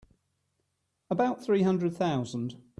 About three hundred thousand.